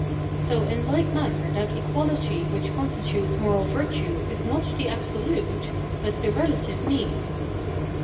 So in like 77ia7uier that equality which co7istitutes 7no7'al vi7'tue is /lot the absolute, but the relative 7nean.